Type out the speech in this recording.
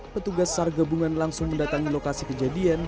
petugas sar gabungan langsung mendatangi lokasi kejadian